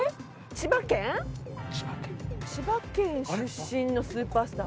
千葉県出身のスーパースター。